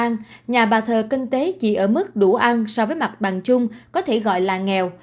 trong năm hai nghìn một mươi chín nhà bà thờ kinh tế chỉ ở mức đủ ăn so với mặt bằng chung có thể gọi là nghèo